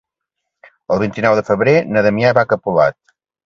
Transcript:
El vint-i-nou de febrer na Damià va a Capolat.